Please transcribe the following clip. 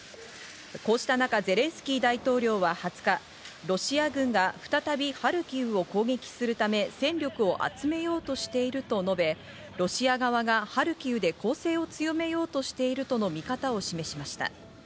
こうした中、ゼレンスキー大統領は２０日、ロシア軍が再びハルキウを攻撃するため戦力を集めようとしていると述べ、ロシア側がハルキウで攻勢を強めようとしているとの見方を示しました。